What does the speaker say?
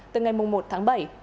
từ ngày một tháng bảy